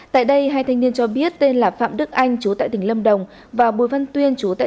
tại đây hai thanh niên cho biết tên là phạm đức anh chú tại tỉnh lâm đồng và bùi văn tuyên chú tại